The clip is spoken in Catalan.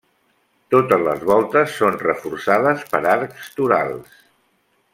Totes les voltes són reforçades per arcs torals.